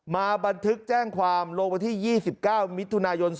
มาบันทึกแจ้งความลงวันที่๒๙มิถุนายน๒๕